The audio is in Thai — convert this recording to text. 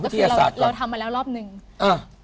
แต่คือเราอ๋อวิทยาศาสตร์เราทำละแล้วรอบหนึ่งอ้า